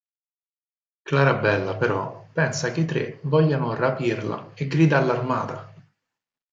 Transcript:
Clarabella però pensa che i tre vogliano rapirla e grida allarmata.